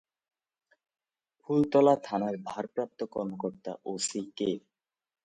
ফুলতলা থানার ভারপ্রাপ্ত কর্মকর্তা ওসি কে?